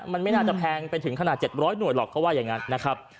มันไม่น่าจะแพงไปถึงขนาด๗๐๐หน่วยหรอกเขาว่าอย่างนั้นนะครับ